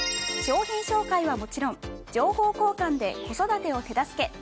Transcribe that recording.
商品紹介はもちろん情報交換で子育てを手助け。